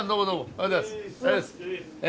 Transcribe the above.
ありがとうございます。